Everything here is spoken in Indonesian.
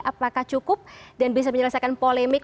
apakah cukup dan bisa menyelesaikan polemik